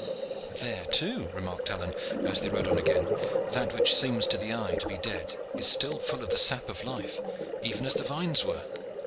"There too," remarked Alleyne, as they rode on again, "that which seems to the eye to be dead is still full of the sap of life, even as the vines were.